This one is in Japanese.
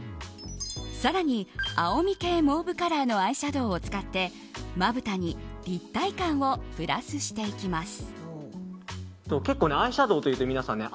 更に青み系モーブカラーのアイシャドーを使ってまぶたに立体感をプラスしていきます。